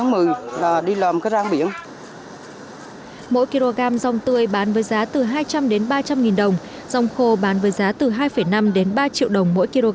mỗi kg rong tươi bán với giá từ hai trăm linh đến ba trăm linh nghìn đồng rong khô bán với giá từ hai năm đến ba triệu đồng mỗi kg